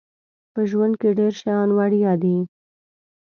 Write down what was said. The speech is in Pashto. په ژوند کې ډیر شیان وړيا دي